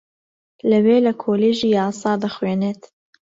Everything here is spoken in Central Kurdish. لەوێ لە کۆلێژی یاسا دەخوێنێت